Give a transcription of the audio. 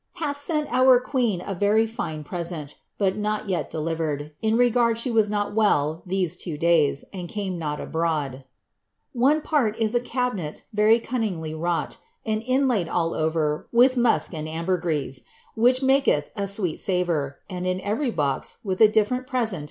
" hath sent our queen a very lir.e present, but not yet delivered, in regard she w.is not well ihe. e inii days, and came not abroad. Oiie part is a cabinet very cunnindv wrought, and inlaid all over with musk, and ambergris, which makeili a sweet savour, and in every bos was a dilTerent present of jewels and »*eii in til.